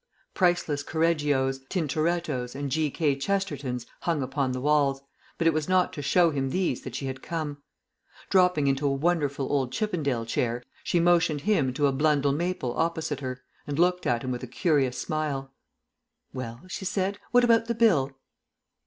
Priceless Correggios, Tintorettos, and G. K. Chestertons hung upon the walls, but it was not to show him these that she had come. Dropping into a wonderful old Chippendale chair, she motioned him to a Blundell Maple opposite her, and looked at him with a curious smile. "Well," she said, "about the Bill?"